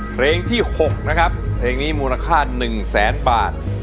เพลงที่๖นะครับเพลงนี้มูลค่า๑แสนบาท